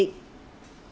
tiến hành kiểm tra